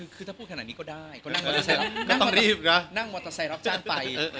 คือถ้าพูดขนาดนี้ก็ได้ก็นั่งมอเตอร์ไซรับจ้านไป